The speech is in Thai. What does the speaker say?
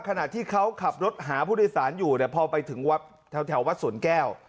ขณะที่เขาขับรถหาผู้โดยสารอยู่เนี่ยพอไปถึงวัดแถววัดสวนแก้ว